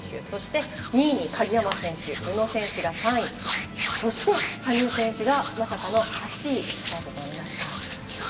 そして２位に鍵山選手の宇野選手が３位そして羽生選手がまさかの８位スタートとなりました。